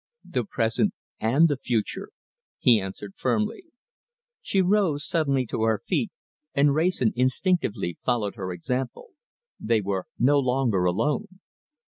"The present and the future," he answered firmly. She rose suddenly to her feet, and Wrayson instinctively followed her example. They were no longer alone.